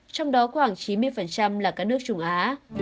trong đó khoảng chín mươi là các nước trung á